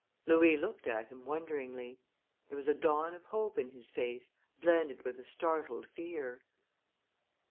Louis looked at him wonderingly. There was a dawn of hope in his face, blended with a startled fear.